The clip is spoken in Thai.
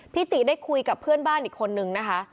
ติได้คุยกับเพื่อนบ้านอีกคนนึงนะคะ